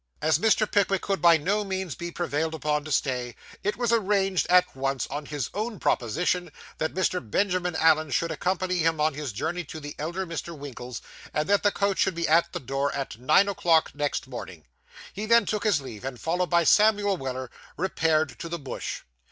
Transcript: As Mr. Pickwick could by no means be prevailed upon to stay, it was arranged at once, on his own proposition, that Mr. Benjamin Allen should accompany him on his journey to the elder Mr. Winkle's, and that the coach should be at the door, at nine o'clock next morning. He then took his leave, and, followed by Samuel Weller, repaired to the Bush.